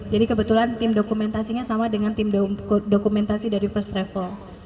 jadi kebetulan tim dokumentasinya sama dengan tim dokumentasi dari first travel